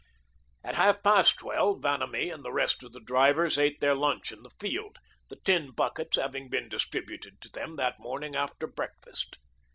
At half past twelve, Vanamee and the rest of the drivers ate their lunch in the field, the tin buckets having been distributed to them that morning after breakfast.